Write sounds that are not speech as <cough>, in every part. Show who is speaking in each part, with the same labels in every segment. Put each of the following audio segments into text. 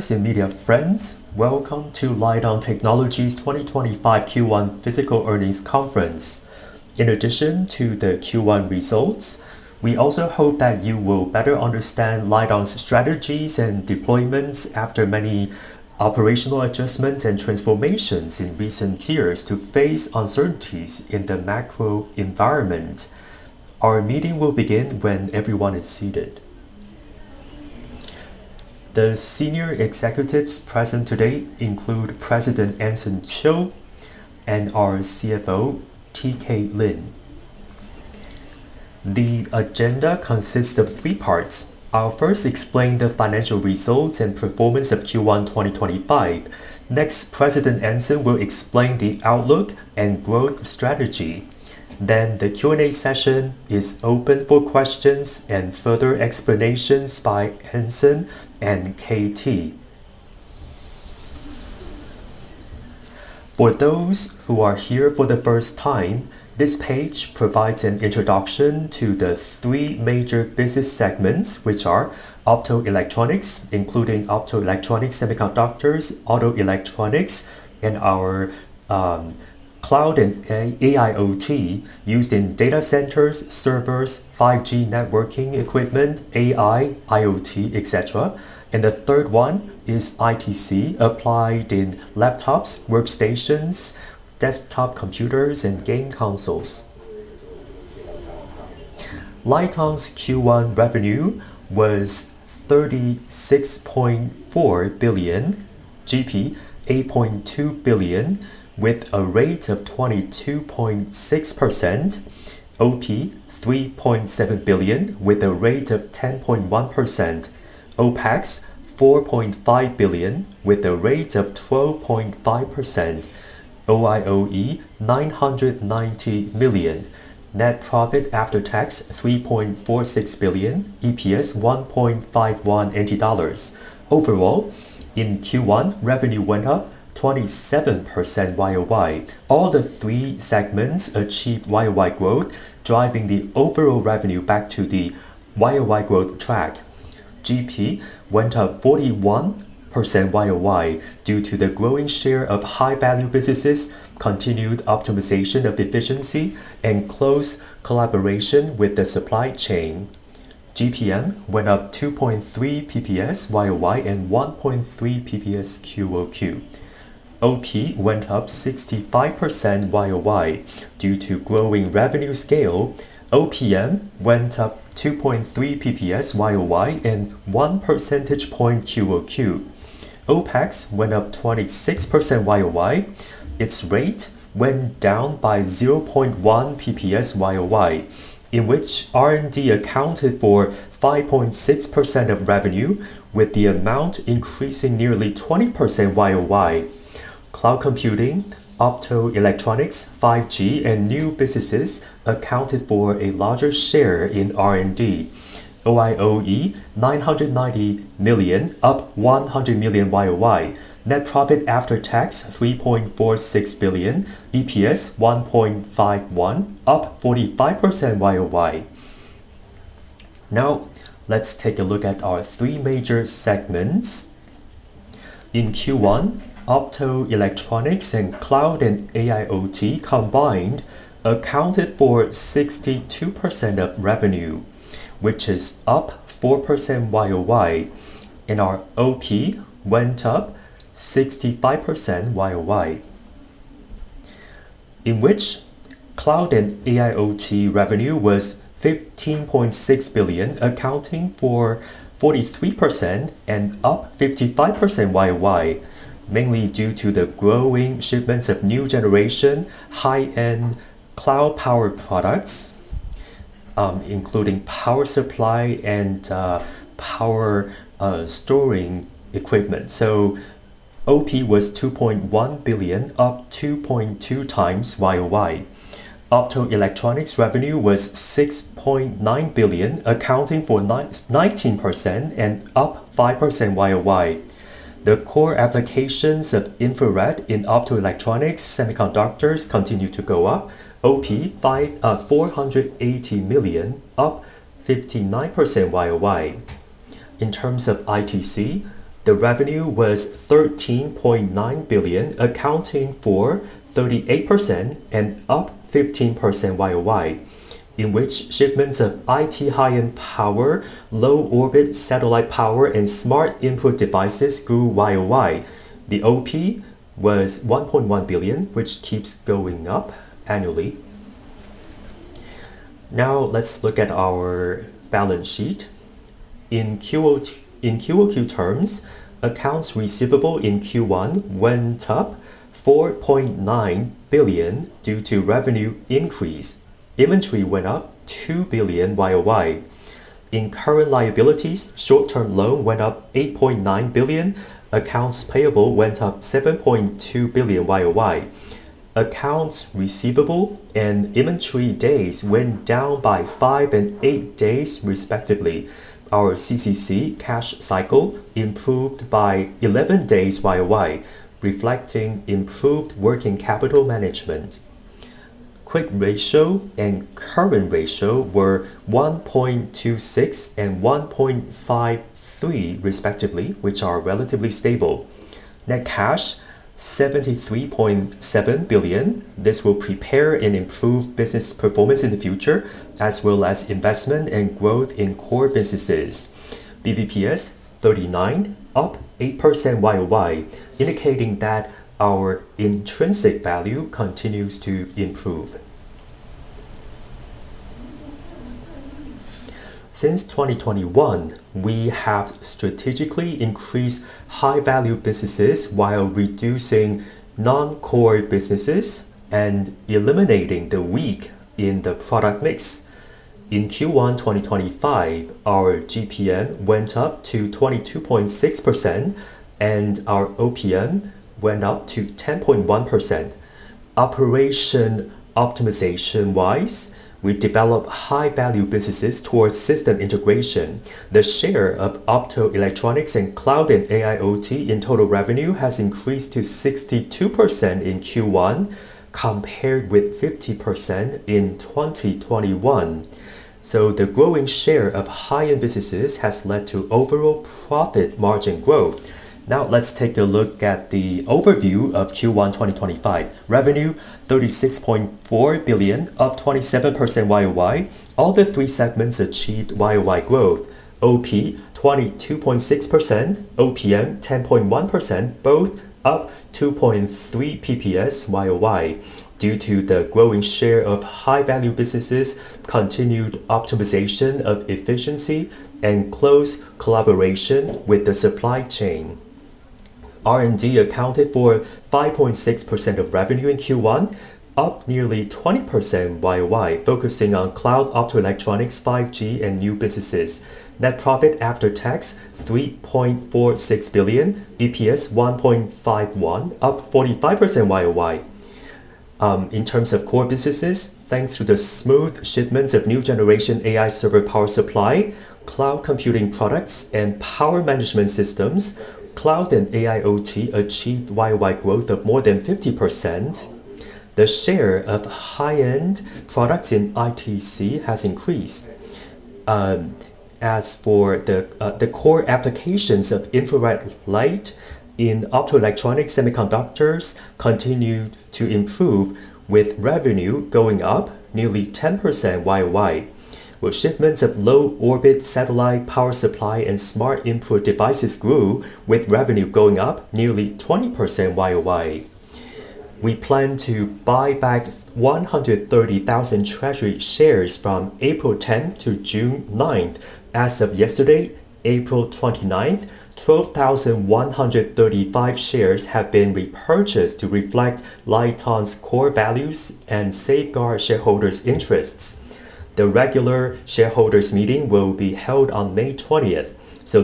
Speaker 1: Dear media friends, welcome to LITEON Technology's 2025 Q1 Physical Earnings Conference. In addition to the Q1 results, we also hope that you will better understand LITEON's strategies and deployments after many operational adjustments and transformations in recent years to face uncertainties in the macro environment. Our meeting will begin when everyone is seated. The senior executives present today include President Anson Chiu and our CFO, K.T. Lim. The agenda consists of three parts. I'll first explain the financial results and performance of Q1 2025. Next, President Anson will explain the outlook and growth strategy. The Q&A session is open for questions and further explanations by Anson and K.T. For those who are here for the first time, this page provides an introduction to the three major business segments, which are optoelectronics, including optoelectronic semiconductors, auto electronics, and our cloud and AIoT used in data centers, servers, 5G networking equipment, AI, IoT, etc. The third one is ITC, applied in laptops, workstations, desktop computers, and game consoles. LITEON's Q1 revenue was 36.4 billion, GP 8.2 billion, with a rate of 22.6%. OP 3.7 billion, with a rate of 10.1%. OpEx 4.5 billion, with a rate of 12.5%. OIOE 990 million. Net profit after tax 3.46 billion. EPS 1.5180 dollars. Overall, in Q1, revenue went up 27% YoY. All the three segments achieved YoY growth, driving the overall revenue back to the YoY growth track. GP went up 41% YoY due to the growing share of high-value businesses, continued optimization of efficiency, and close collaboration with the supply chain. GPM went up 2.3 PPS YoY and 1.3 PPS QoQ. OP went up 65% YoY due to growing revenue scale. OPM went up 2.3 PPS YoY and 1 percentage point QoQ. OpEx went up 26% YoY. Its rate went down by 0.1 PPS YoY, in which R&D investment accounted for 5.6% of revenue, with the amount increasing nearly 20% YoY. Cloud computing, optoelectronics, 5G, and new businesses accounted for a larger share in R&D. OIOE 990 million, up 100 million YoY. Net profit after tax 3.46 billion. EPS 1.51, up 45% YoY. Now, let's take a look at our three major segments. In Q1, optoelectronics and cloud and AIoT combined accounted for 62% of revenue, which is up 4% YoY. Our OP went up 65% YoY, in which cloud and AIoT revenue was 15.6 billion, accounting for 43% and up 55% YoY, mainly due to the growing shipments of new generation, high-end cloud-powered products, including power supply and power storing equipment. OP was 2.1 billion, up 2.2x YoY. Optoelectronics revenue was 6.9 billion, accounting for 19% and up 5% YoY. The core applications of infrared in optoelectronics semiconductors continued to go up. OP 480 million, up 59% YoY. In terms of ITC, the revenue was 13.9 billion, accounting for 38% and up 15% YoY, in which shipments of IT high-end power, low-orbit satellite power, and smart input devices grew YoY. The OP was 1.1 billion, which keeps going up annually. Now, let's look at our balance sheet. In QoQ terms, accounts receivable in Q1 went up 4.9 billion due to revenue increase. Inventory went up 2 billion YoY. In current liabilities, short-term loan went up 8.9 billion. Accounts payable went up 7.2 billion YoY. Accounts receivable and inventory days went down by five and eight days, respectively. Our CCC cash cycle improved by 11 days YoY, reflecting improved working capital management. Quick ratio and current ratio were 1.26 and 1.53, respectively, which are relatively stable. Net cash 73.7 billion. This will prepare and improve business performance in the future, as well as investment and growth in core businesses. BVPS 39, up 8% YoY, indicating that our intrinsic value continues to improve. Since 2021, we have strategically increased high-value businesses while reducing non-core businesses and eliminating the weak in the product mix. In Q1 2025, our GPM went up to 22.6% and our OPM went up to 10.1%. Operation optimization-wise, we developed high-value businesses towards system integration. The share of optoelectronics and cloud and AIoT in total revenue has increased to 62% in Q1, compared with 50% in 2021. The growing share of high-end businesses has led to overall profit margin growth. Now, let's take a look at the overview of Q1 2025. Revenue 36.4 billion, up 27% YoY. All the three segments achieved YoY growth. OP 22.6%, OPM 10.1%, both up 2.3 PPS YoY, due to the growing share of high-value businesses, continued optimization of efficiency, and close collaboration with the supply chain. R&D accounted for 5.6% of revenue in Q1, up nearly 20% YoY, focusing on cloud, optoelectronics, 5G, and new businesses. Net profit after tax 3.46 billion, EPS 1.51, up 45% YoY. In terms of core businesses, thanks to the smooth shipments of new generation AI server power supplies, cloud computing products, and power management systems, cloud and AIoT achieved YoY growth of more than 50%. The share of high-end products in ITC has increased. As for the core applications of infrared light, in optoelectronics semiconductors continued to improve, with revenue going up nearly 10% YoY. With shipments of low-orbit satellite power supplies and smart input devices grew, with revenue going up nearly 20% YoY. We plan to buy back 130,000 treasury shares from April 10 to June 9. As of yesterday, April 29, 12,135 shares have been repurchased to reflect LITEON's core values and safeguard shareholders' interests. The regular shareholders' meeting will be held on May 20.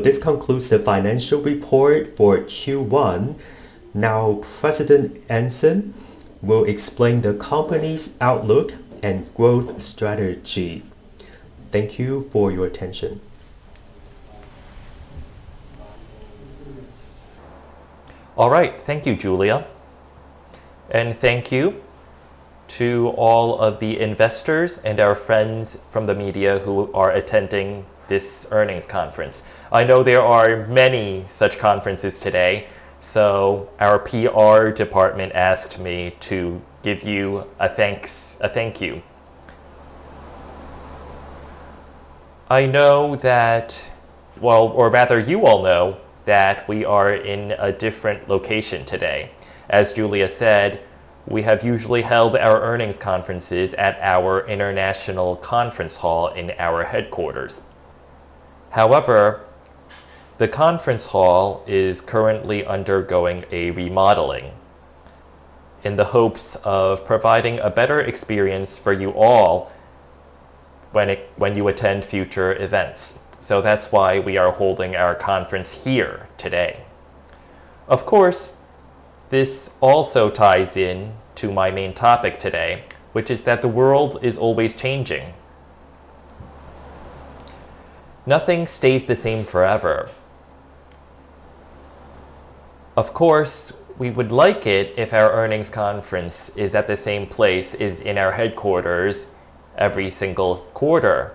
Speaker 1: This concludes the financial report for Q1. Now, President Anson will explain the company's outlook and growth strategy. Thank you for your attention.
Speaker 2: All right, thank you, Julia. And thank you to all of the investors and our friends from the media who are attending this earnings conference. I know there are many such conferences today, so our PR department asked me to give you a thank you. I know that, or rather you all know that we are in a different location today. As Julia said, we have usually held our earnings conferences at our international conference hall in our headquarters. However, the conference hall is currently undergoing a remodeling in the hopes of providing a better experience for you all when you attend future events. That is why we are holding our conference here today. Of course, this also ties in to my main topic today, which is that the world is always changing. Nothing stays the same forever. Of course, we would like it if our earnings conference is at the same place as in our headquarters every single quarter.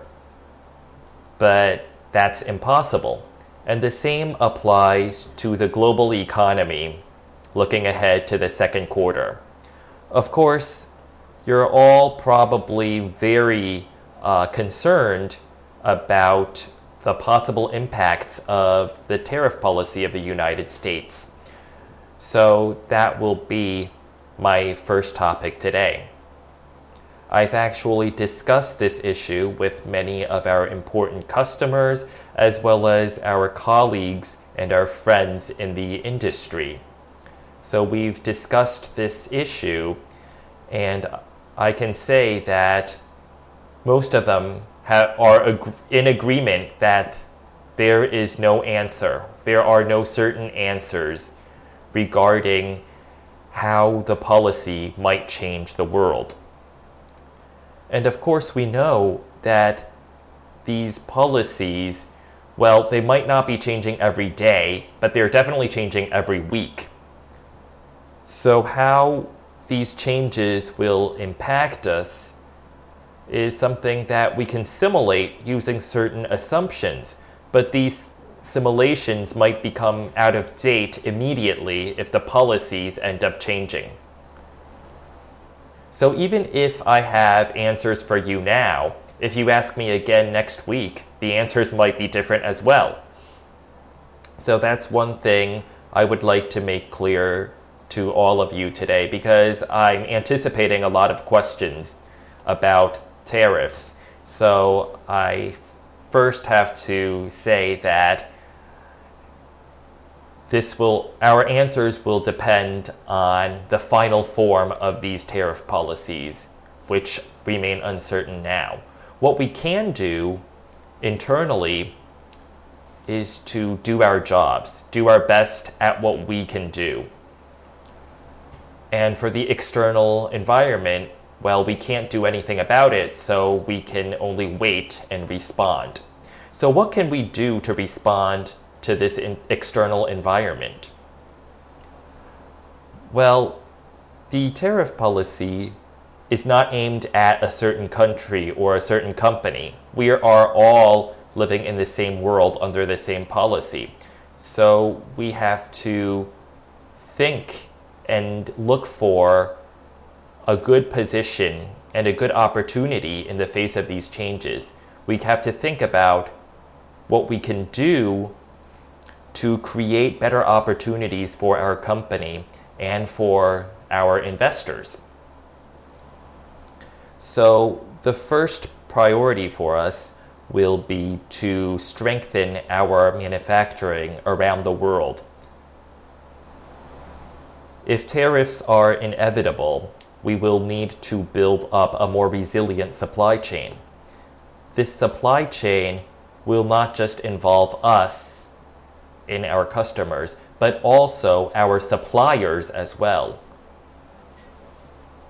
Speaker 2: That is impossible. The same applies to the global economy looking ahead to the second quarter. Of course, you're all probably very concerned about the possible impacts of the tariff policy of the United States. That will be my first topic today. I've actually discussed this issue with many of our important customers, as well as our colleagues and our friends in the industry. We've discussed this issue, and I can say that most of them are in agreement that there is no answer. There are no certain answers regarding how the policy might change the world. Of course, we know that these policies might not be changing every day, but they're definitely changing every week. How these changes will impact us is something that we can simulate using certain assumptions. These simulations might become out of date immediately if the policies end up changing. Even if I have answers for you now, if you ask me again next week, the answers might be different as well. That's one thing I would like to make clear to all of you today because I'm anticipating a lot of questions about tariffs. I first have to say that our answers will depend on the final form of these tariff policies, which remain uncertain now. What we can do internally is to do our jobs, do our best at what we can do. For the external environment, we can't do anything about it, so we can only wait and respond. What can we do to respond to this external environment? The tariff policy is not aimed at a certain country or a certain company. We are all living in the same world under the same policy. We have to think and look for a good position and a good opportunity in the face of these changes. We have to think about what we can do to create better opportunities for our company and for our investors. The first priority for us will be to strengthen our manufacturing around the world. If tariffs are inevitable, we will need to build up a more resilient supply chain. This supply chain will not just involve us and our customers, but also our suppliers as well.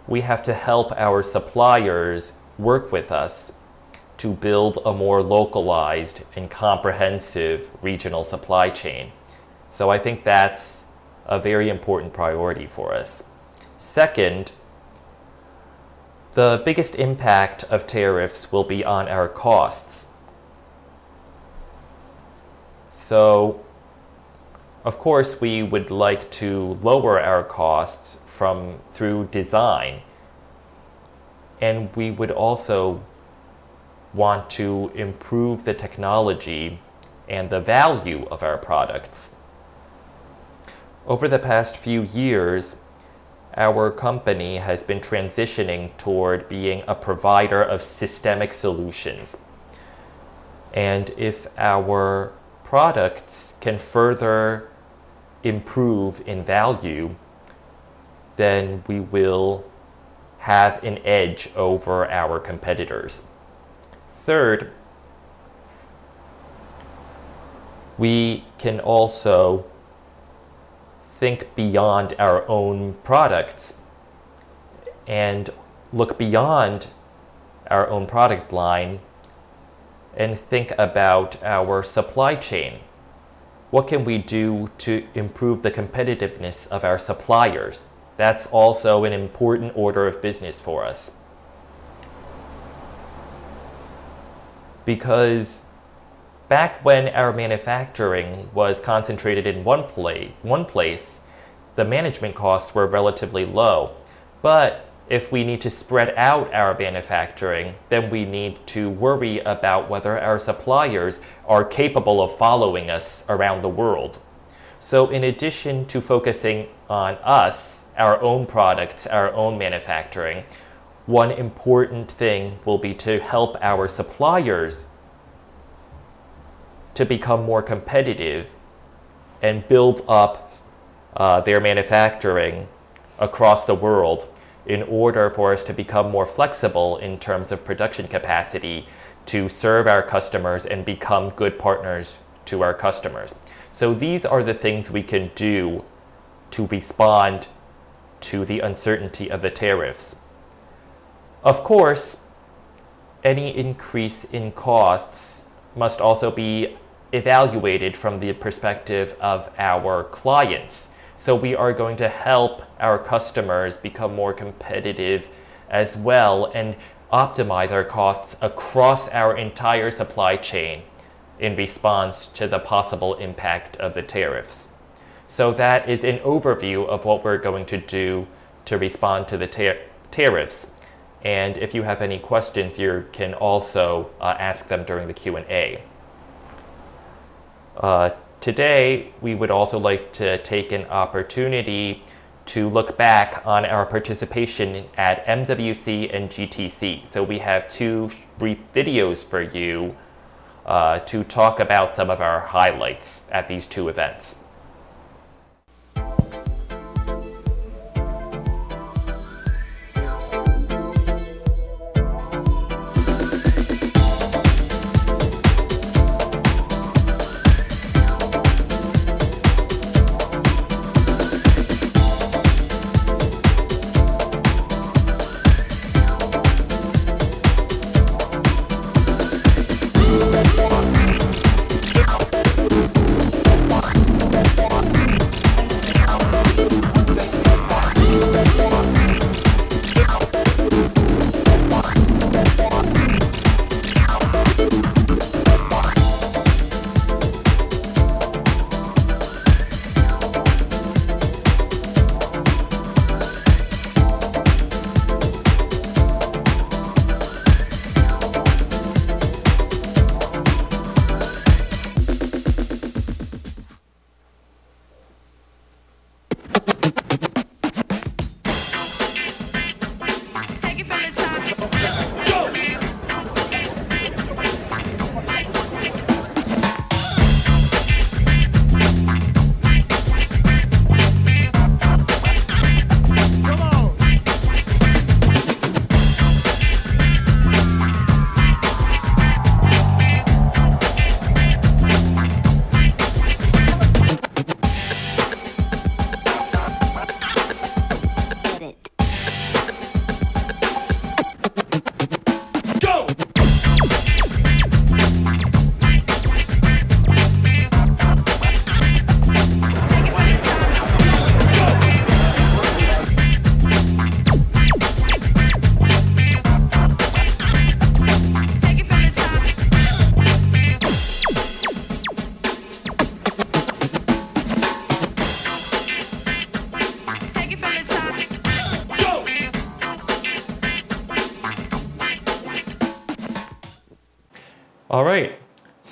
Speaker 2: We have to help our suppliers work with us to build a more localized and comprehensive regional supply chain. I think that's a very important priority for us. Second, the biggest impact of tariffs will be on our costs. Of course, we would like to lower our costs through design. We would also want to improve the technology and the value of our products. Over the past few years, our company has been transitioning toward being a provider of systemic solutions. If our products can further improve in value, then we will have an edge over our competitors. Third, we can also think beyond our own products and look beyond our own product line and think about our supply chain. What can we do to improve the competitiveness of our suppliers? That's also an important order of business for us. Back when our manufacturing was concentrated in one place, the management costs were relatively low. If we need to spread out our manufacturing, then we need to worry about whether our suppliers are capable of following us around the world. In addition to focusing on us, our own products, our own manufacturing, one important thing will be to help our suppliers to become more competitive and build up their manufacturing across the world in order for us to become more flexible in terms of production capacity to serve our customers and become good partners to our customers. These are the things we can do to respond to the uncertainty of the tariffs. Of course, any increase in costs must also be evaluated from the perspective of our clients. We are going to help our customers become more competitive as well and optimize our costs across our entire supply chain in response to the possible impact of the tariffs. That is an overview of what we're going to do to respond to the tariffs. If you have any questions, you can also ask them during the Q&A. Today, we would also like to take an opportunity to look back on our participation at MWC and GTC. We have two videos for you to talk about some of our highlights at these two events.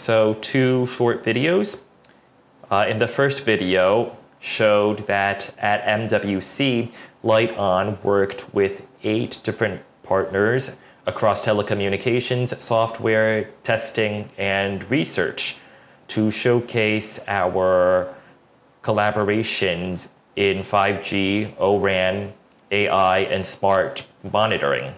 Speaker 2: All right, two short videos. In the first video, we showed that at MWC, LITEON worked with eight different partners across telecommunications, software, testing, and research to showcase our collaborations in 5G, O-RAN, AI, and smart monitoring.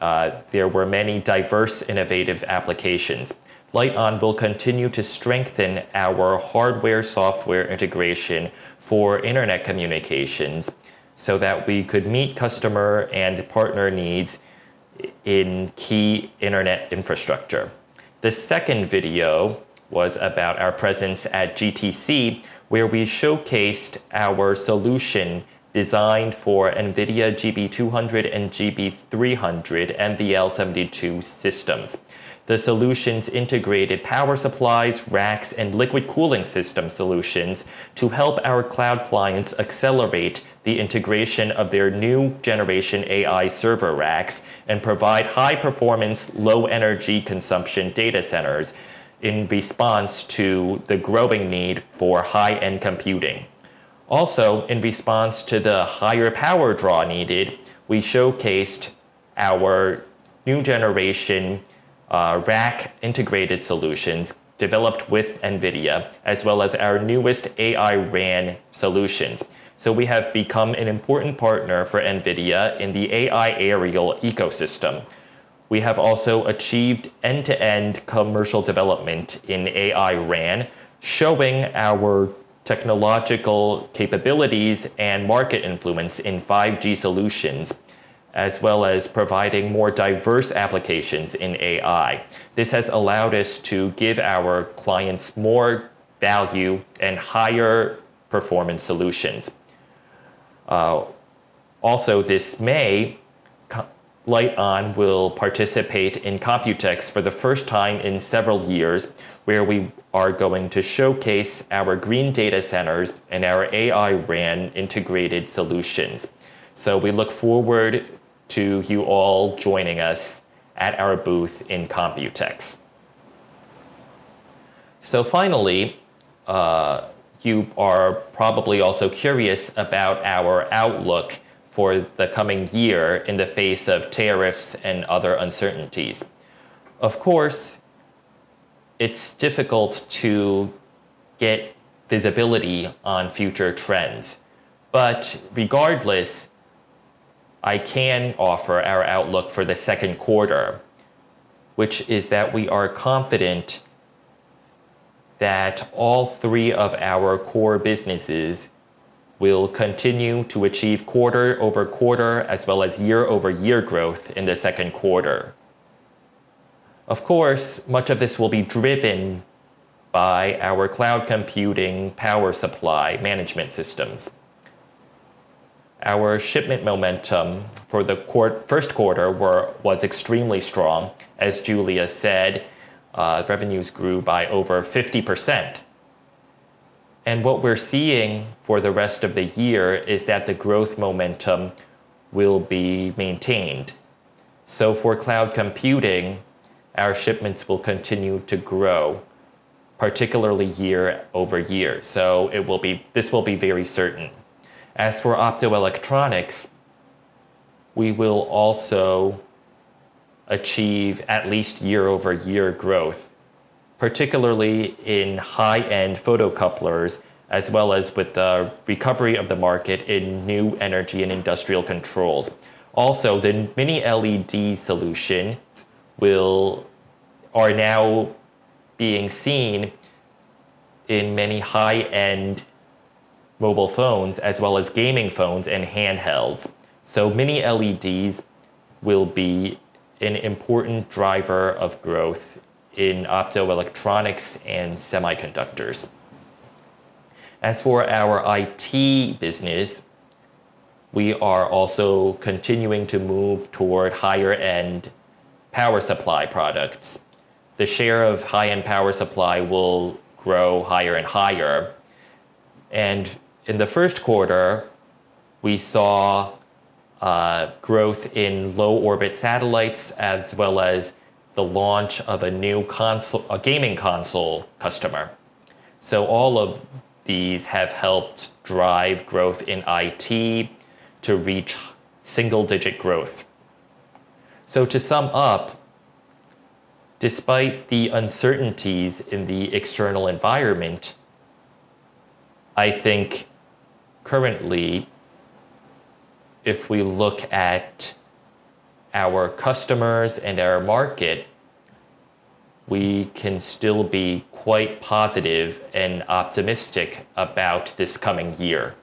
Speaker 2: There were many diverse, innovative applications. LITEON will continue to strengthen our hardware-software integration for Internet communications so that we could meet customer and partner needs in key Internet infrastructure. The second video was about our presence at GTC, where we showcased our solution designed for NVIDIA GB200 and GB300 NVL72 systems. The solutions integrated power supplies, racks, and liquid cooling system solutions to help our cloud clients accelerate the integration of their new generation AI server racks and provide high-performance, low-energy consumption data centers in response to the growing need for high-end computing. Also, in response to the higher power draw needed, we showcased our new generation rack integrated solutions developed with NVIDIA, as well as our newest AI-RAN solutions. We have become an important partner for NVIDIA in the AI aerial ecosystem. We have also achieved end-to-end commercial development in AI-RAN, showing our technological capabilities and market influence in 5G solutions, as well as providing more diverse applications in AI. This has allowed us to give our clients more value and higher performance solutions. Also, this May, LITEON will participate in COMPUTEX for the first time in several years, where we are going to showcase our green data centers and our AI-RAN integrated solutions. We look forward to you all joining us at our booth in COMPUTEX. Finally, you are probably also curious about our outlook for the coming year in the face of tariffs and other uncertainties. Of course, it's difficult to get visibility on future trends. Regardless, I can offer our outlook for the second quarter, which is that we are confident that all three of our core businesses will continue to achieve quarter-over-quarter, as well as year-over-year growth in the second quarter. Much of this will be driven by our cloud computing power supply management systems. Our shipment momentum for the first quarter was extremely strong. As Julia said, revenues grew by over 50%. What we're seeing for the rest of the year is that the growth momentum will be maintained. For cloud computing, our shipments will continue to grow, particularly year-over-year. This will be very certain. As for optoelectronics, we will also achieve at least year-over-year growth, particularly in high-end photocouplers, as well as with the recovery of the market in new energy and industrial controls. The mini-LED solutions are now being seen in many high-end mobile phones, as well as gaming phones and handhelds. Mini-LEDs will be an important driver of growth in optoelectronics and semiconductors. As for our IT business, we are also continuing to move toward higher-end power supply products. The share of high-end power supply will grow higher and higher. In the first quarter, we saw growth in low-orbit satellites, as well as the launch of a new gaming console customer. All of these have helped drive growth in IT to reach single-digit growth. To sum up, despite the uncertainties in the external environment, I think currently, if we look at our customers and our market, we can still be quite positive and optimistic about this coming year.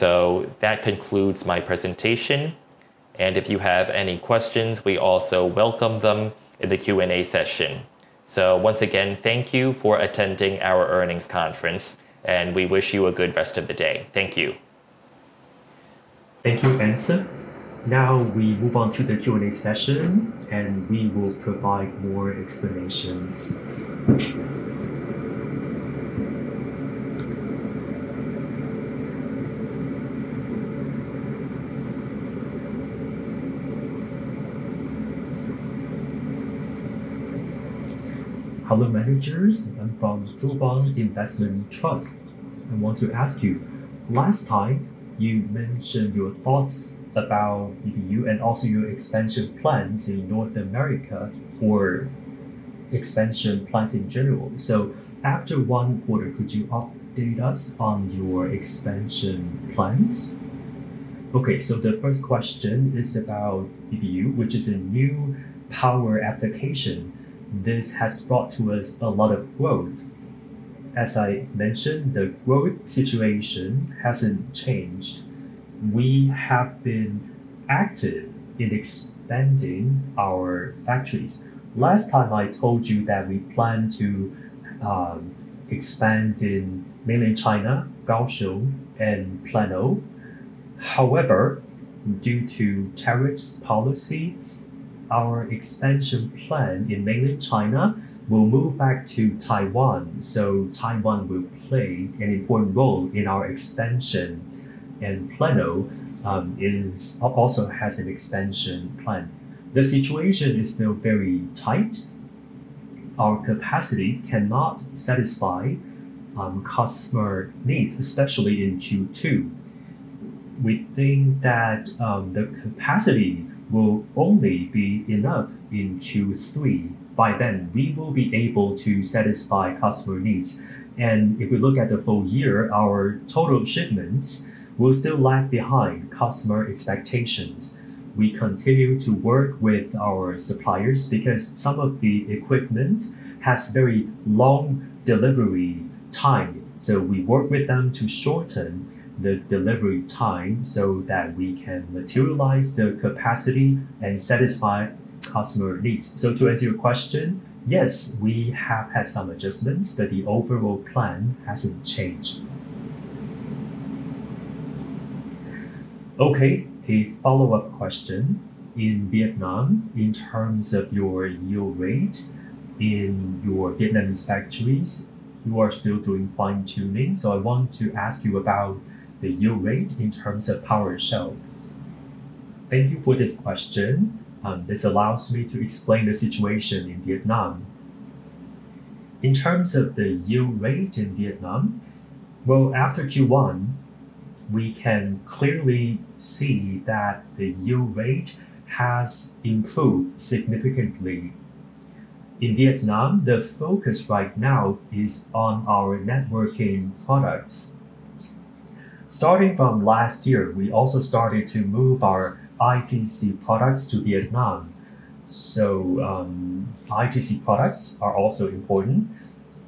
Speaker 2: That concludes my presentation. If you have any questions, we also welcome them in the Q&A session. Thank you for attending our earnings conference, and we wish you a good rest of the day. Thank you.
Speaker 3: Thank you, Anson. Now, we move on to the Q&A session, and we will provide more explanations. Hello managers, I'm from <inaudible> Investment Trust. I want to ask you, last time you mentioned your thoughts about BBUs and also your expansion plans in North America for expansion plans in general. After one quarter, could you update us on your expansion plans?
Speaker 2: The first question is about BBUs, which is a new power application. This has brought to us a lot of growth. As I mentioned, the growth situation hasn't changed. We have been active in expanding our factories. Last time I told you that we plan to expand in mainland China, Kaohsiung, and Plano. However, due to tariffs policy, our expansion plan in mainland China will move back to Taiwan. Taiwan will play an important role in our expansion, and Plano also has an expansion plan. The situation is still very tight. Our capacity cannot satisfy customer needs, especially in Q2. We think that the capacity will only be enough in Q3. By then, we will be able to satisfy customer needs. If you look at the full year, our total shipments will still lag behind customer expectations. We continue to work with our suppliers because some of the equipment has very long delivery times. We work with them to shorten the delivery times so that we can materialize the capacity and satisfy customer needs. To answer your question, yes, we have had some adjustments, but the overall plan hasn't changed. A follow-up question. In Vietnam, in terms of your yield rate in your Vietnamese factories, you are still doing fine-tuning. I want to ask you about the yield rate in terms of power shell. Thank you for this question. This allows me to explain the situation in Vietnam. In terms of the yield rate in Vietnam, after Q1, we can clearly see that the yield rate has improved significantly. In Vietnam, the focus right now is on our networking products. Starting from last year, we also started to move our ITC products to Vietnam. ITC products are also important.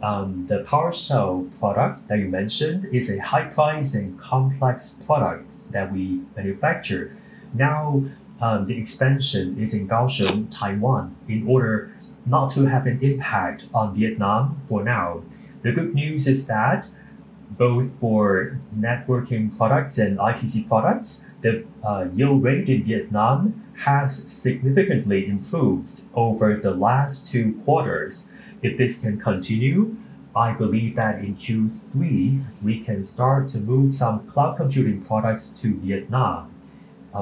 Speaker 2: The power shell product that you mentioned is a high-class and complex product that we manufacture. The expansion is in Kaohsiung, Taiwan, in order not to have an impact on Vietnam for now. The good news is that both for networking products and ITC products, the yield rate in Vietnam has significantly improved over the last two quarters. If this can continue, I believe that in Q3, we can start to move some cloud computing products to Vietnam.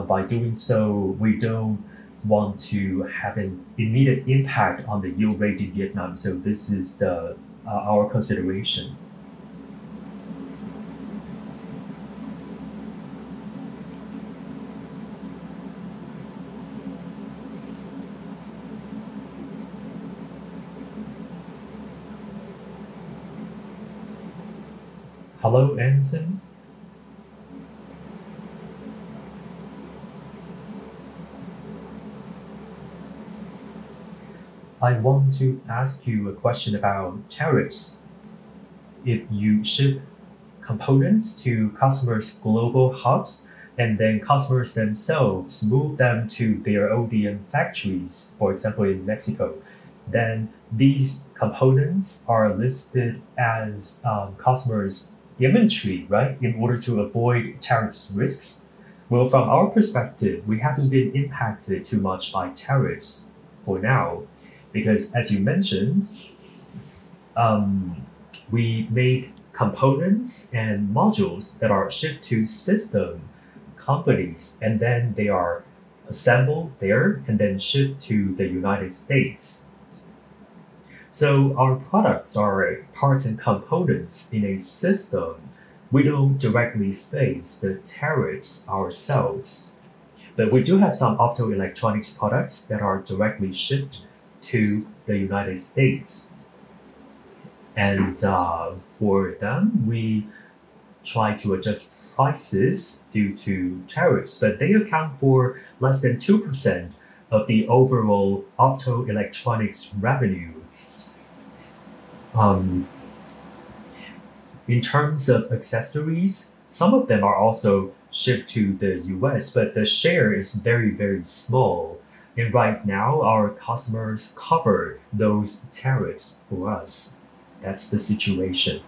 Speaker 2: By doing so, we don't want to have an immediate impact on the yield rate in Vietnam. This is our consideration. Hello, Anson. I want to ask you a question about tariffs. If you ship components to customers' global hubs, and then customers themselves move them to their ODM factories, for example, in Mexico, then these components are listed as customers' inventory, right? In order to avoid tariffs risks. From our perspective, we haven't been impacted too much by tariffs for now because, as you mentioned, we make components and modules that are shipped to system companies, and then they are assembled there and then shipped to the United States. Our products are parts and components in a system. We don't directly face the tariffs ourselves. We do have some optoelectronics products that are directly shipped to the United States. For them, we try to adjust prices due to tariffs, but they account for less than 2% of the overall optoelectronics revenue. In terms of accessories, some of them are also shipped to the U.S., but the share is very, very small. Right now, our customers cover those tariffs for us. That's the situation.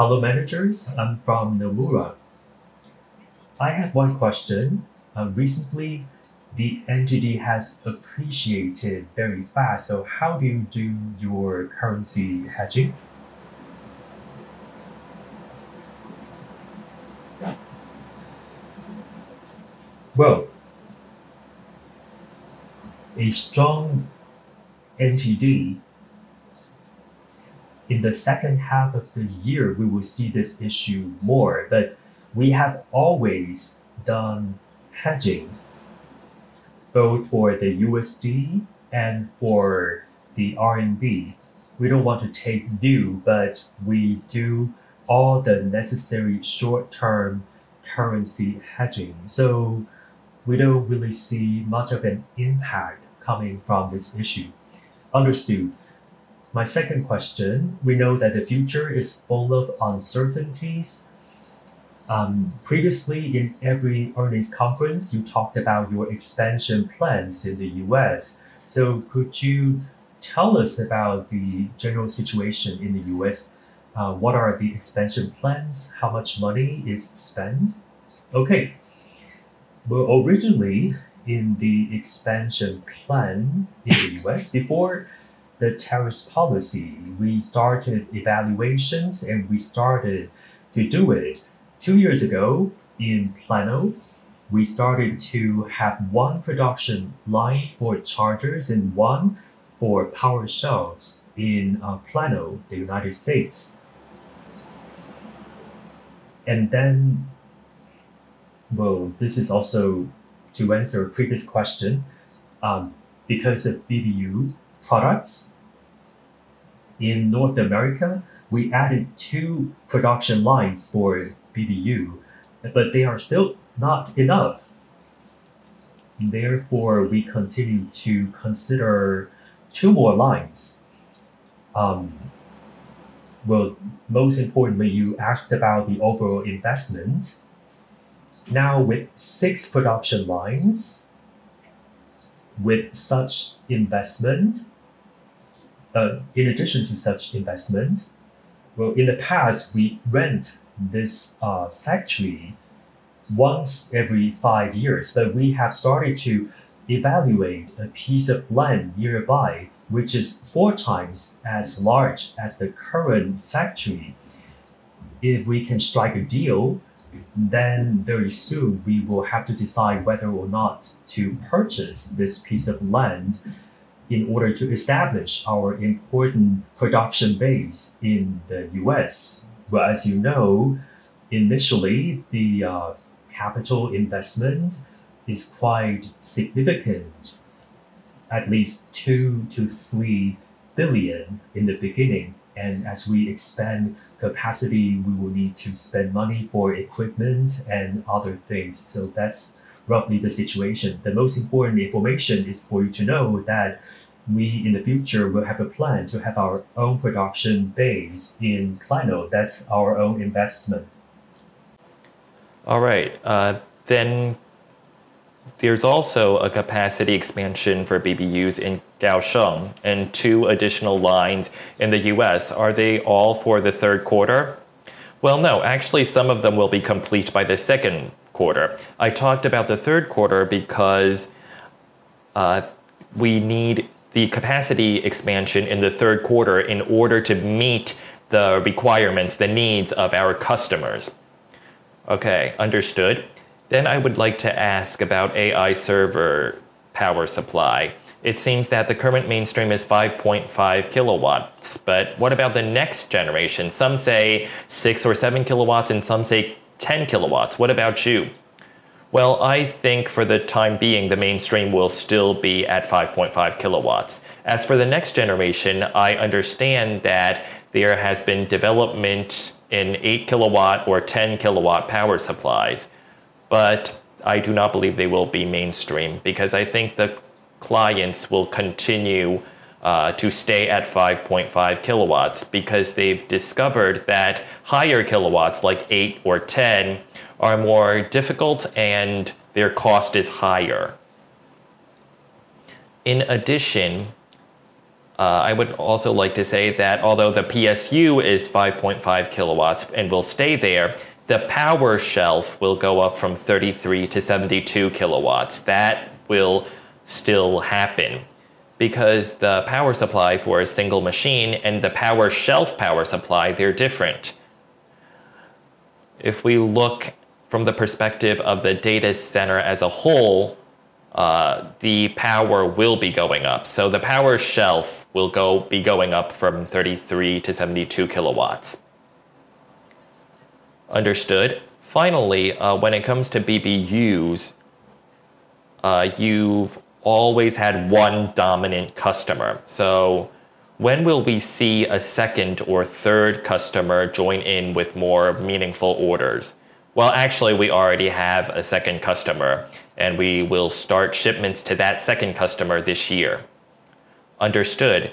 Speaker 2: Hello managers, I'm from [Namura]. I have one question. Recently, the NTD has appreciated very fast. How do you do your currency hedging?
Speaker 3: A strong NTD in the second half of the year, we will see this issue more. We have always done hedging both for the USD and for the RMB. We don't want to take due, but we do all the necessary short-term currency hedging. We don't really see much of an impact coming from this issue. Understood. My second question, we know that the future is full of uncertainties. Previously, in every earnings conference, you talked about your expansion plans in the U.S. Could you tell us about the general situation in the U.S.? What are the expansion plans? How much money is spent?
Speaker 2: Originally, in the expansion plan in the U.S., before the tariffs policy, we started evaluations and we started to do it. Two years ago, in Plano, we started to have one production line for chargers and one for power shells in Plano, United States. This is also to answer a previous question. Because of BBU products in North America, we added two production lines for BBU, but they are still not enough. Therefore, we continue to consider two more lines. Most importantly, you asked about the overall investment. Now, with six production lines, with such investment, in addition to such investment, in the past, we rent this factory once every five years. We have started to evaluate a piece of land nearby, which is 4x as large as the current factory. If we can strike a deal, then very soon we will have to decide whether or not to purchase this piece of land in order to establish our important production base in the U.S. As you know, initially, the capital investment is quite significant, at least 2 billion-3 billion in the beginning. As we expand capacity, we will need to spend money for equipment and other things. That's roughly the situation. The most important information is for you to know that we, in the future, will have a plan to have our own production base in Plano. That's our own investment. All right. There is also a capacity expansion for BBUs in Kaohsiung and two additional lines in the U.S. Are they all for the third quarter? No, actually, some of them will be complete by the second quarter. I talked about the third quarter because we need the capacity expansion in the third quarter in order to meet the requirements, the needs of our customers. Okay, understood. I would like to ask about AI server power supply. It seems that the current mainstream is 5.5 kW. What about the next generation? Some say 6 kW or 7 kW and some say 10 kW. What about you? I think for the time being, the mainstream will still be at 5.5 kW. As for the next generation, I understand that there has been development in 8 kW or 10 kW power supplies. I do not believe they will be mainstream because I think the clients will continue to stay at 5.5 kW because they've discovered that higher kilowatts like 8 kW or 10 kW are more difficult and their cost is higher. In addition, I would also like to say that although the PSU is 5.5 kW and will stay there, the power shelf will go up from 33 kW to 72 kW. That will still happen because the power supply for a single machine and the power shelf power supply, they're different. If we look from the perspective of the data center as a whole, the power will be going up. The power shelf will be going up from 33 kW to 72 kW. Understood. Finally, when it comes to BBUs, you've always had one dominant customer. When will we see a second or third customer join in with more meaningful orders? Actually, we already have a second customer, and we will start shipments to that second customer this year. Understood.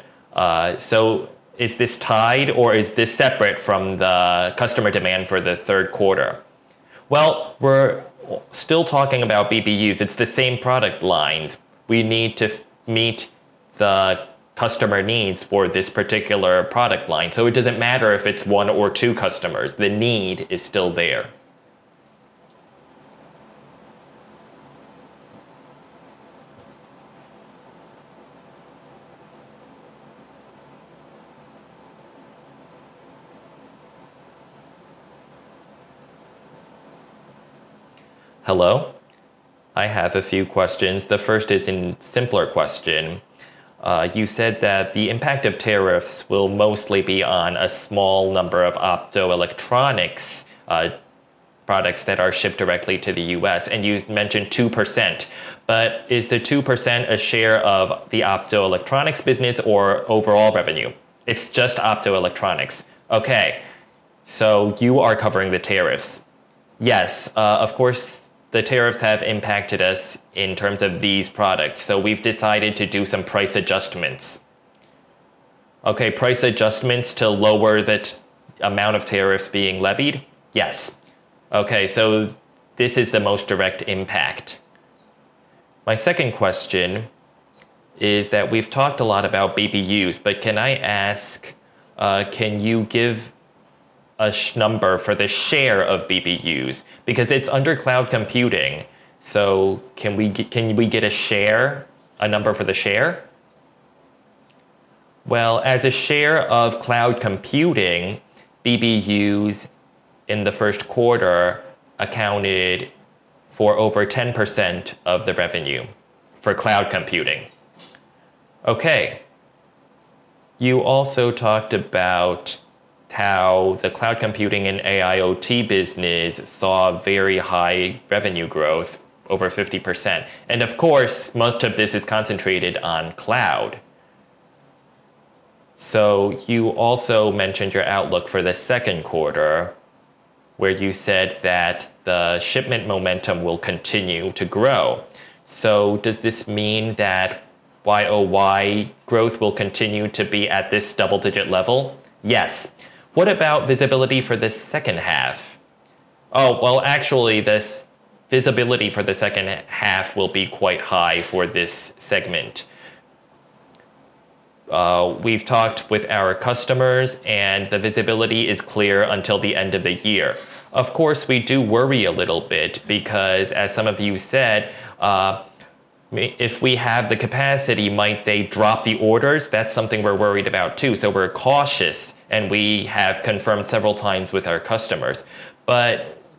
Speaker 2: Is this tied or is this separate from the customer demand for the third quarter? We're still talking about BBUs. It's the same product lines. We need to meet the customer needs for this particular product line. It doesn't matter if it's one or two customers. The need is still there. Hello. I have a few questions. The first is a simpler question. You said that the impact of tariffs will mostly be on a small number of optoelectronics products that are shipped directly to the U.S., and you mentioned 2%. Is the 2% a share of the optoelectronics business or overall revenue? It's just optoelectronics. Okay. You are covering the tariffs. Yes, of course, the tariffs have impacted us in terms of these products. We've decided to do some price adjustments. Price adjustments to lower the amount of tariffs being levied? Yes. This is the most direct impact. My second question is that we've talked a lot about BBUs, but can I ask, can you give a number for the share of BBUs? Because it's under cloud computing. Can we get a share, a number for the share?
Speaker 1: As a share of cloud computing, BBUs in the first quarter accounted for over 10% of the revenue for cloud computing. You also talked about how the cloud computing and AIoT business saw very high revenue growth, over 50%. Most of this is concentrated on cloud. You also mentioned your outlook for the second quarter, where you said that the shipment momentum will continue to grow. Does this mean that YoY growth will continue to be at this double-digit level?
Speaker 2: Yes. What about visibility for the second half? Actually, the visibility for the second half will be quite high for this segment. We've talked with our customers, and the visibility is clear until the end of the year. We do worry a little bit because, as some of you said, if we have the capacity, might they drop the orders? That's something we're worried about too. We're cautious, and we have confirmed several times with our customers.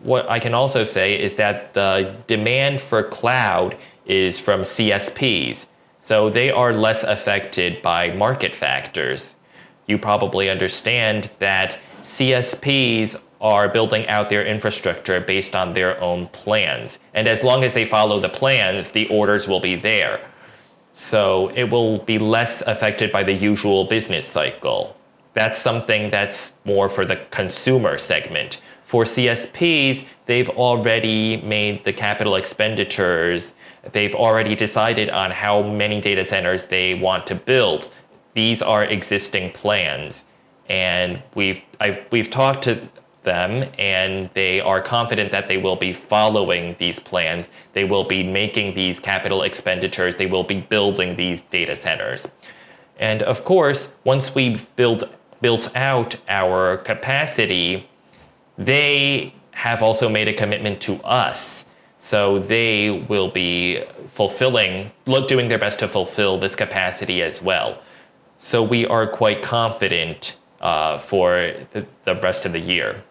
Speaker 2: What I can also say is that the demand for cloud is from CSPs. They are less affected by market factors. You probably understand that CSPs are building out their infrastructure based on their own plans. As long as they follow the plans, the orders will be there. It will be less affected by the usual business cycle. That's something that's more for the consumer segment. For CSPs, they've already made the capital expenditures. They've already decided on how many data centers they want to build. These are existing plans. We've talked to them, and they are confident that they will be following these plans. They will be making these capital expenditures. They will be building these data centers. Once we've built out our capacity, they have also made a commitment to us. They will be fulfilling, doing their best to fulfill this capacity as well. We are quite confident for the rest of the year.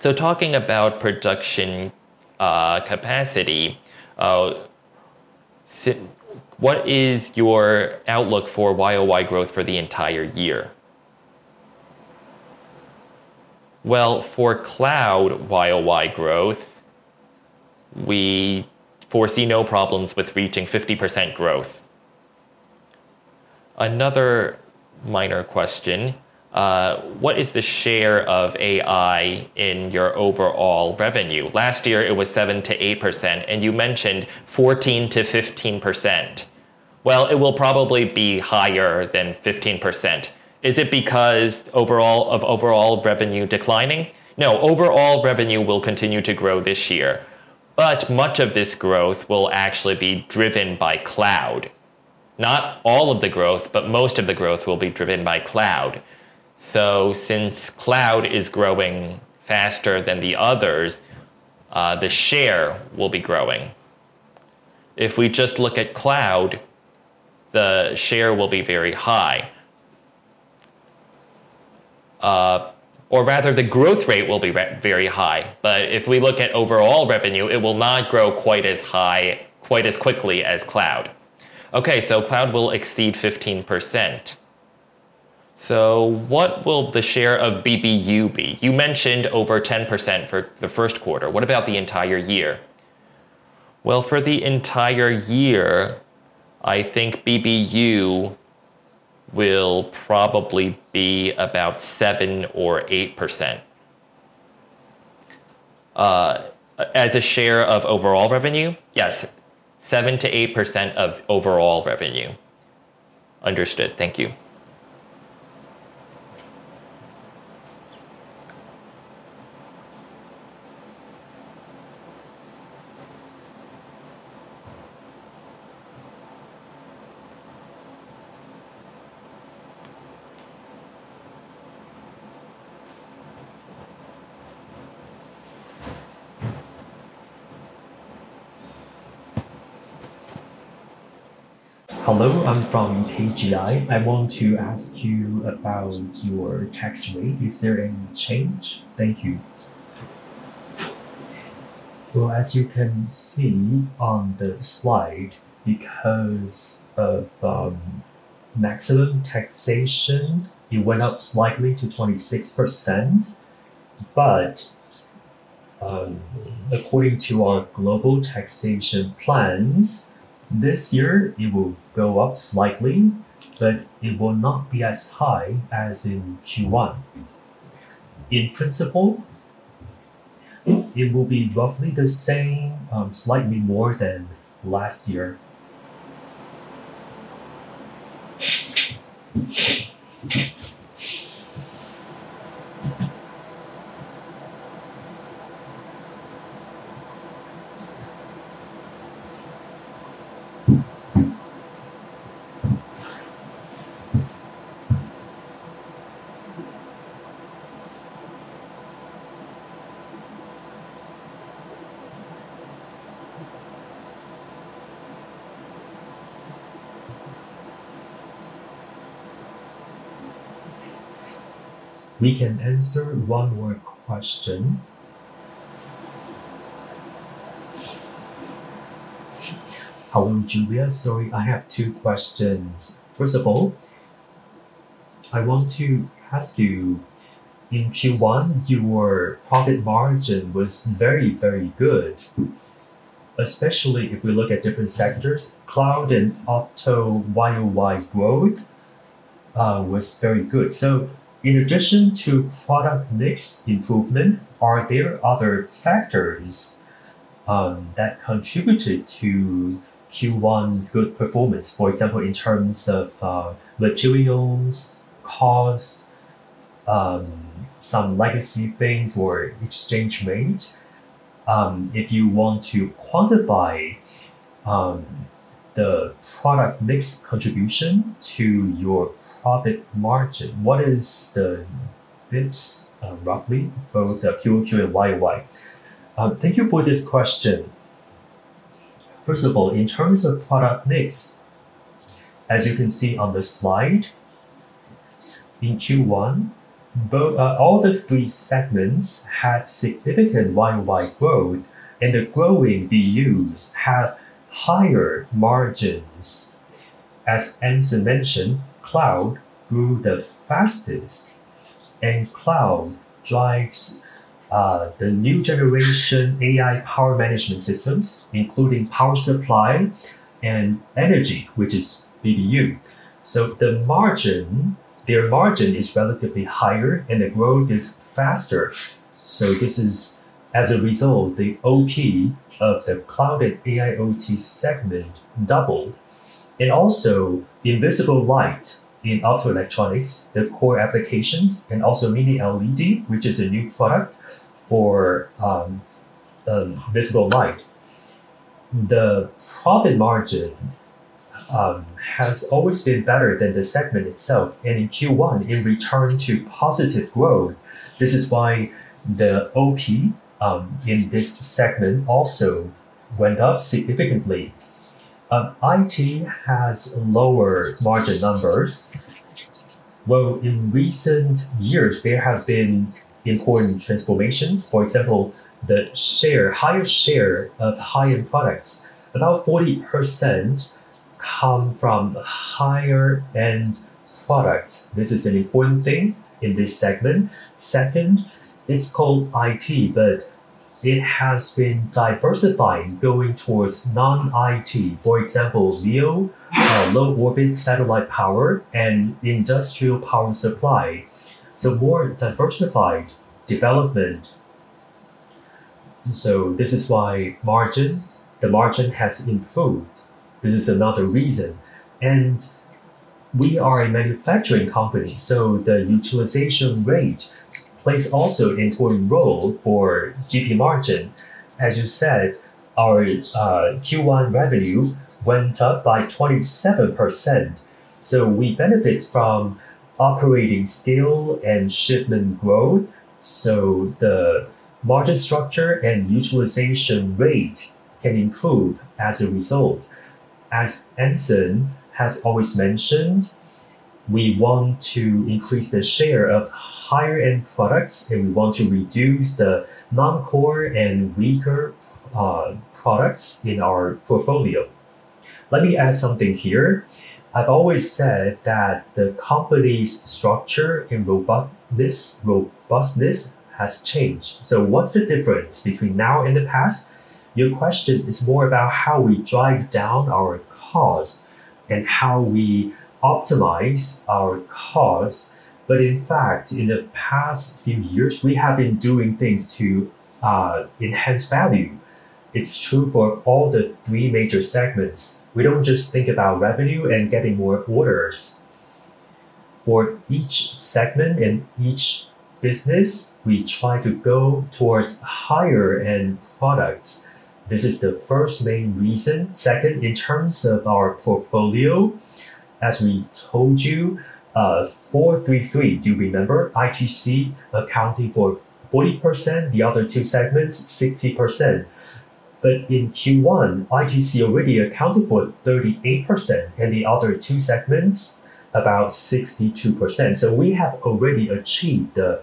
Speaker 2: Talking about production capacity, what is your outlook for YoY growth for the entire year? For cloud YoY growth, we foresee no problems with reaching 50% growth. Another minor question. What is the share of AI in your overall revenue? Last year, it was 7%-8%, and you mentioned 14%-15%. It will probably be higher than 15%. Is it because of overall revenue declining? No, overall revenue will continue to grow this year. Much of this growth will actually be driven by cloud. Not all of the growth, but most of the growth will be driven by cloud. Since cloud is growing faster than the others, the share will be growing. If we just look at cloud, the share will be very high, or rather, the growth rate will be very high. If we look at overall revenue, it will not grow quite as high, quite as quickly as cloud. Okay, cloud will exceed 15%. What will the share of BBU be? You mentioned over 10% for the first quarter. What about the entire year? For the entire year, I think BBU will probably be about 7% or 8%. As a share of overall revenue? Yes. 7%-8% of overall revenue. Understood. Thank you. Hello, I'm from. <inaudible> I want to ask you about your tax rate. Is there any change? Thank you.
Speaker 3: As you can see on the slide, because of maximum taxation, it went up slightly to 26%. According to our global taxation plans, this year it will go up slightly, but it will not be as high as in Q1. In principle, it will be roughly the same, slightly more than last year.
Speaker 1: We can answer one more question. Hi, Julia. Sorry, I have two questions. First of all, I want to ask you, in Q1, your profit margin was very, very good, especially if we look at different sectors. Cloud and opto YoY growth was very good. In addition to product mix improvement, are there other factors that contributed to Q1's good performance? For example, in terms of materials, cost, some legacy things, or exchange mint. If you want to quantify the product mix contribution to your profit margin, what is the mix roughly for Q2 and YoY? Thank you for this question. First of all, in terms of product mix, as you can see on the slide, in Q1, all the three segments had significant YoY growth, and the growing BUs had higher margins. As Anson mentioned, cloud grew the fastest, and cloud drives the new generation AI power management systems, including power supply and energy, which is BBU. Their margin is relatively higher, and the growth is faster. This is, as a result, the OT of the cloud and AIoT segment doubled. Also, invisible light in optoelectronics, the core applications, and also mini-LEDs, which is a new product for visible light. The profit margin has always been better than the segment itself. In Q1, it returned to positive growth. This is why the OT in this segment also went up significantly. IT has lower margin numbers. In recent years, there have been important transformations. For example, the higher share of high-end products, about 40% come from higher-end products. This is an important thing in this segment. Second, it's called IT, but it has been diversifying going towards non-IT, for example, LEO, low-orbit satellite power and industrial power supply. More diversified development. This is why the margin has improved. This is another reason. We are a manufacturing company, so the utilization rate plays also an important role for GP margin. As you said, our Q1 revenue went up by 27%. We benefit from operating still and shipment growth. The margin structure and utilization rate can improve as a result. As Anson has always mentioned, we want to increase the share of higher-end products and want to reduce the non-core and weaker products in our portfolio.
Speaker 2: Let me add something here. I've always said that the company's structure and robustness has changed. What's the difference between now and the past? Your question is more about how we drive down our costs and how we optimize our costs. In fact, in the past few years, we have been doing things to enhance value. It's true for all the three major segments. We don't just think about revenue and getting more orders. For each segment and each business, we try to go towards higher-end products. This is the first main reason. Second, in terms of our portfolio, as we told you, 4-3-3, do you remember? ITC accounting for 40%, the other two segments 60%. In Q1, ITC already accounted for 38%, and the other two segments about 62%. We have already achieved the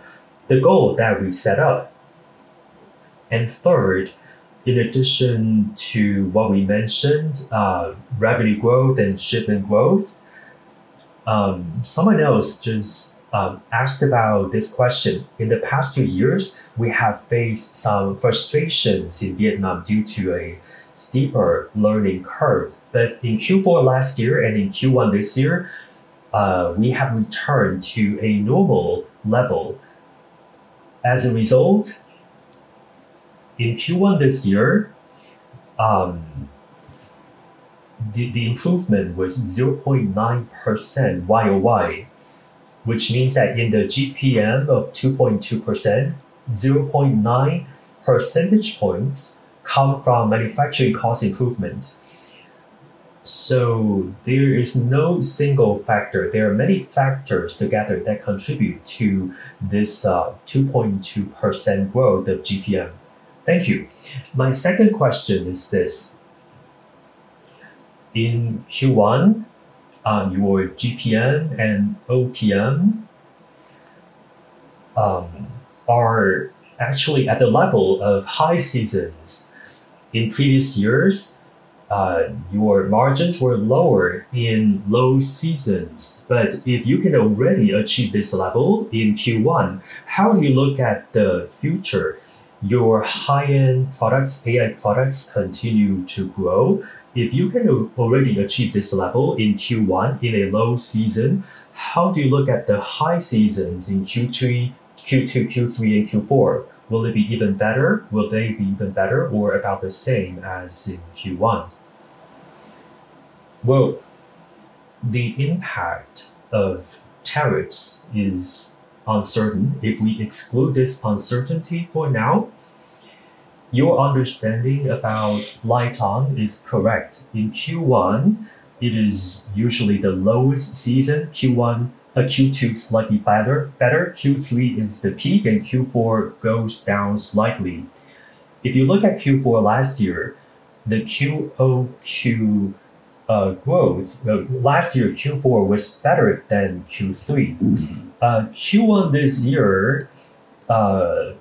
Speaker 2: goal that we set up. Third, in addition to what we mentioned, revenue growth and shipment growth, someone else just asked about this question. In the past two years, we have faced some frustrations in Vietnam due to a steeper learning curve. In Q4 last year and in Q1 this year, we have returned to a normal level. As a result, in Q1 this year, the improvement was 0.9% YoY, which means that in the gross profit margin of 2.2%, 0.9 percentage points come from manufacturing cost improvement. There is no single factor. There are many factors together that contribute to this 2.2% growth of GPM. Thank you. My second question is this. In Q1, your GPM and OPM are actually at the level of high seasons. In previous years, your margins were lower in low seasons. If you can already achieve this level in Q1, how do you look at the future? Your high-end products, AI products continue to grow. If you can already achieve this level in Q1 in a low season, how do you look at the high seasons in Q2, Q3, and Q4? Will it be even better? Will they be even better or about the same as in Q1? The impact of tariffs is uncertain. If we exclude this uncertainty for now, your understanding about LITEON is correct. In Q1, it is usually the lowest season. Q1 or Q2 is slightly better. Q3 is the peak, and Q4 goes down slightly. If you look at Q4 last year, the QoQ growth last year, Q4 was better than Q3. Q1 this year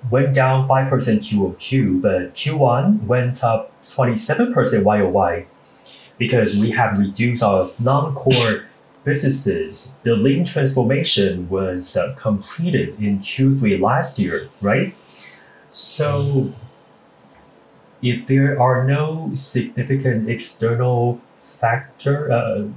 Speaker 2: went down 5% QoQ, but Q1 went up 27% YoY because we have reduced our non-core businesses. The lean transformation was completed in Q3 last year, right? If there are no significant external factors,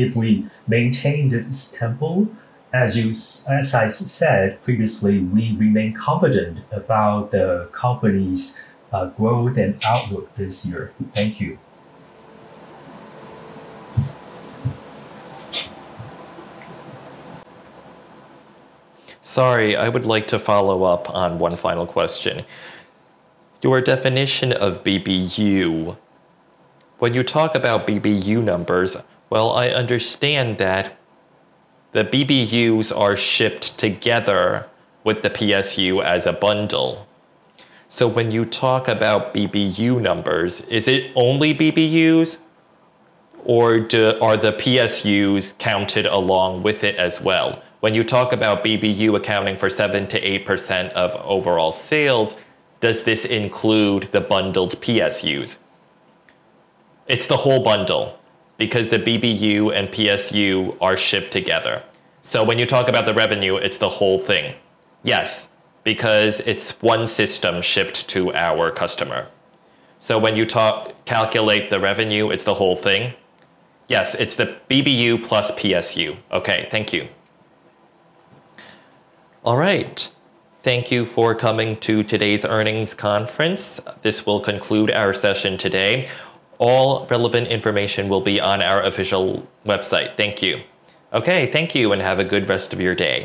Speaker 2: if we maintain this tempo, as I said previously, we remain confident about the company's growth and outlook this year. Thank you. Sorry, I would like to follow up on one final question. Your definition of BBU, when you talk about BBU numbers, I understand that the BBUs are shipped together with the PSU as a bundle. When you talk about BBU numbers, is it only BBUs, or are the PSUs counted along with it as well? When you talk about BBU accounting for 7%-8% of overall sales, does this include the bundled PSUs? It's the whole bundle because the BBU and PSU are shipped together. When you talk about the revenue, it's the whole thing. Yes, because it's one system shipped to our customer. When you calculate the revenue, it's the whole thing? Yes, it's the BBU plus PSU. Okay, thank you.
Speaker 1: All right. Thank you for coming to today's earnings conference. This will conclude our session today. All relevant information will be on our official website. Thank you.
Speaker 2: Okay, thank you and have a good rest of your day.